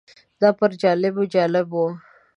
دا پر جالبو جالبه وه.